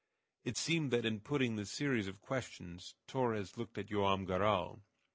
It seemed that in putting this series of questions Torres looked at Joam Garral.